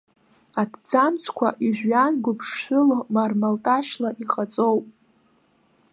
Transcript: Аҭӡамцқәа ижәҩангәыԥшшәылоу мармалташьла иҟаҵоуп.